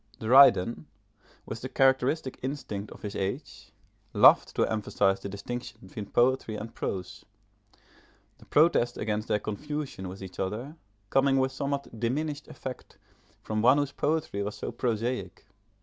Dryden, with the characteristic instinct of his age, loved to emphasise the distinction between poetry and prose, the protest against their confusion with each other, coming with somewhat diminished effect from one whose poetry was so prosaic.